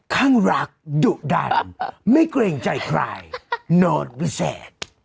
ข้างรักดุดันไม่เกรงใจใครนอนวิเศษ